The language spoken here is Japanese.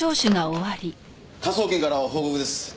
科捜研から報告です。